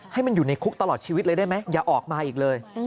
ให้มันอยู่ในคุกตลอดชีวิตเลยได้ไหมอย่าออกมาอีกเลย